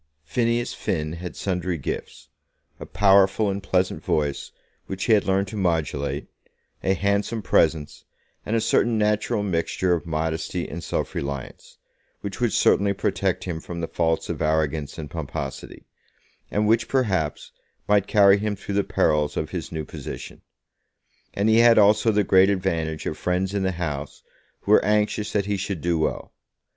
Phineas Finn had sundry gifts, a powerful and pleasant voice, which he had learned to modulate, a handsome presence, and a certain natural mixture of modesty and self reliance, which would certainly protect him from the faults of arrogance and pomposity, and which, perhaps, might carry him through the perils of his new position. And he had also the great advantage of friends in the House who were anxious that he should do well.